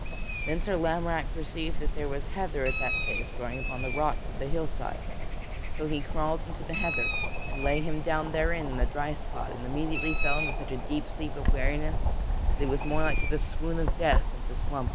Then Sir Lamorack perceived that there was heather at that place growing upon the rocks of the hillside, so he crawled into the heather and lay him down therein in a dry spot and immediately fell into such a deep sleep of weariness that it was more like to the swoon of death than to slumber.